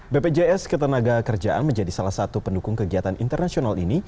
bpjs ketenaga kerjaan menjadi salah satu pendukung kegiatan internasional ini